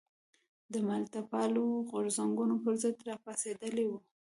د ملتپالو غورځنګونو پر ضد راپاڅېدلي وو.